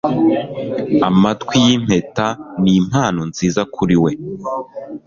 Amatwi yimpeta nimpano nziza kuri we